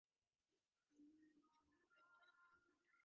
މިކަމެއް ހިނގީ އަހަރެން ދުނިޔެއަށް ނޭވާލުމުގެ ފަންސަވީސް އަހަރު ކުރީން